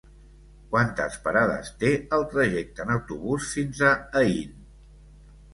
Quantes parades té el trajecte en autobús fins a Aín?